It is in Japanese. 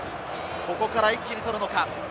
ここから一気に取るのか？